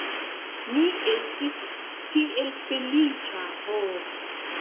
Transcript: Mi estis tiel feliĉa ho!